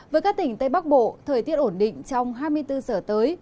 với các tỉnh tây bắc bộ thời tiết ổn định trong hai mươi bốn giờ tới